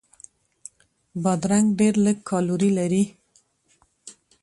بادرنګ ډېر لږ کالوري لري.